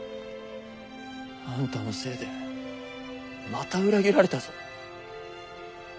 あんたのせいでまた裏切られたぞ。